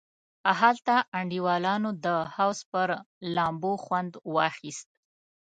هلته انډیوالانو د حوض پر لامبو خوند واخیست.